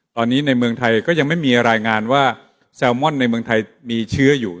ตอนนี้ในเมืองไทยก็ยังไม่มีรายงานว่าแซลมอนในเมืองไทยมีเชื้ออยู่